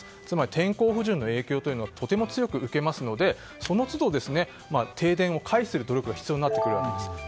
つまり天候不順の影響をとても強く受けますのでその都度、停電を回避する努力が必要になってくるわけです。